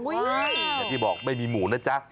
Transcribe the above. อย่างที่บอกไม่มีหมูนะจ๊ะ